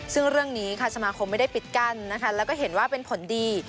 ซึ่งเรื่องนี้ค่ะสมาคมไม่ได้ปิดกั้นนะคะแล้วก็เห็นว่าเป็นผลดี